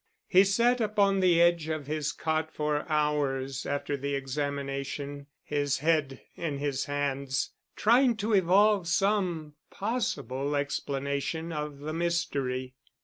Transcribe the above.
He sat upon the edge of his cot for hours after the examination, his head in his hands, trying to evolve some possible explanation of the mystery.